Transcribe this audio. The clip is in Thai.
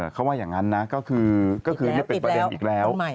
เขาว่าอย่างนั้นนะก็คือนี่เป็นประเด็นอีกแล้ว